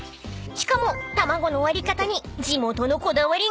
［しかも卵の割り方に地元のこだわりが］